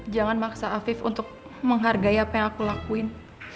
jangan maksa afif untuk menghargai apa yang aku lakuin